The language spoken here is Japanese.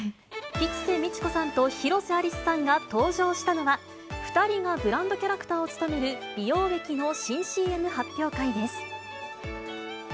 吉瀬美智子さんと広瀬アリスさんが登場したのは、２人がブランドキャラクターを務める美容液の新ＣＭ発表会です。